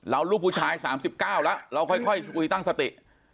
ลูกผู้ชาย๓๙แล้วเราค่อยคุยตั้งสติ